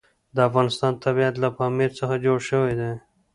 د افغانستان طبیعت له پامیر څخه جوړ شوی دی.